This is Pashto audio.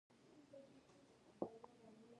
خاکسار اوسیدل څه ګټه لري؟